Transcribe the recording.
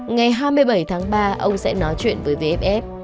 ngày hai mươi bảy tháng ba ông sẽ nói chuyện với vff